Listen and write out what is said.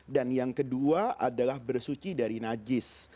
dan yang kedua adalah bersuci dari najis